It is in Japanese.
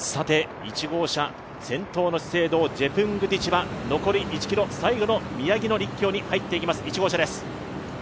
１号車、先頭の資生堂・ジェプングティチは残り１ｋｍ、最後の陸橋に入っていきます。